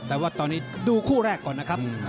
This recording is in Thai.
แต่ว่าตอนนี้ดูคู่แรกก่อนนะครับ